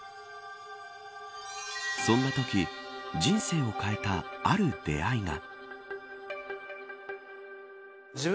そんなとき、人生を変えたある出会いが。